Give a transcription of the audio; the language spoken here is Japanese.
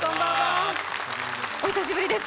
お久しぶりです